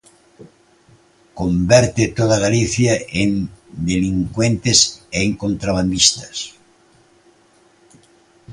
¿Converte toda Galicia en delincuentes e en contrabandistas?